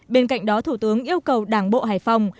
bên cạnh đó thủ tướng yêu cầu đảng bộ hải phòng